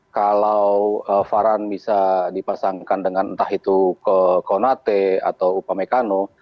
kalau varane bisa dipasangkan dengan entah itu konate atau upamecano